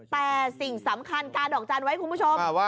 แต่สิ่งสำคัญกาดอกจันทร์ไว้คุณผู้ชม